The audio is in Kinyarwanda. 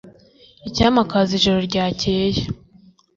icyampa akaza ijoro ryakeye